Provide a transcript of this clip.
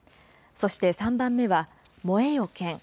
そして３番目は、燃えよ剣。